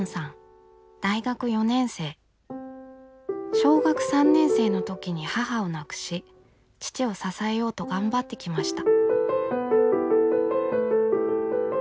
小学３年生の時に母を亡くし父を支えようと頑張ってきました。